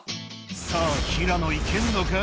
さぁ平野行けるのか